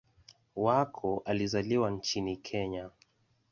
Wako alizaliwa nchini Kenya.